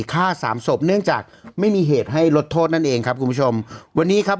ฆ่าสามศพเนื่องจากไม่มีเหตุให้ลดโทษนั่นเองครับคุณผู้ชมวันนี้ครับ